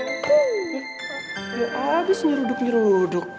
gak abis nyeruduk nyeruduk